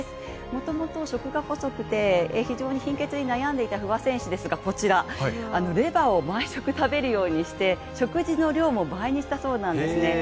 もともと食が細くて非常に貧血に悩んでいた不破選手ですがこちら、レバーを毎食食べるようにして食事の量も倍にしたそうなんですね。